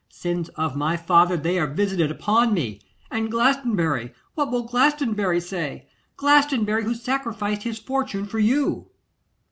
Sins of my father, they are visited upon me! And Glastonbury, what will Glastonbury say? Glastonbury, who sacrificed his fortune for you.